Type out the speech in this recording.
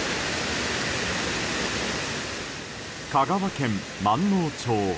香川県まんのう町。